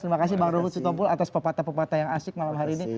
terima kasih bang ruhut sitompul atas pepatah pepatah yang asik malam hari ini